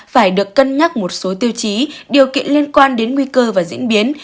phải được cân nhắc một số tiêu chí điều kiện liên quan đến nguy cơ và diễn biến